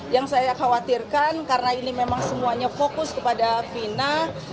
yang saya khawatirkan karena ini memang semuanya fokus kepada fina